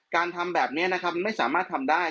ทำแบบนี้นะครับไม่สามารถทำได้